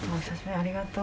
ありがとう。